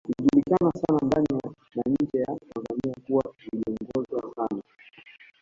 Ilijulikana sana ndani na nje ya Tanzania kuwa iliongozwa sana